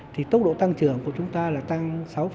tốc độ tăng trưởng của chúng ta là tăng sáu hai mươi một